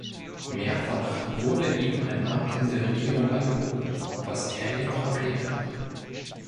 Mehrfach wurde ihm ein Amt in der Regierung angeboten, was er jedoch ablehnte.